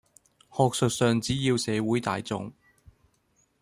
學術上只要社會大眾